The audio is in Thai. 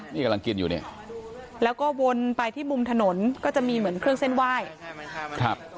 นี่กำลังกินอยู่เนี่ยแล้วก็วนไปที่มุมถนนก็จะมีเหมือนเครื่องเส้นไหว้ครับ